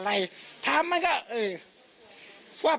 พี่ทีมข่าวของที่รักของ